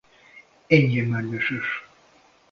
Enyhén mágneses.